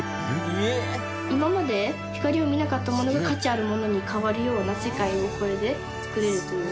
今まで光を見なかったものが価値あるものに変わるような世界にこれで作れるという。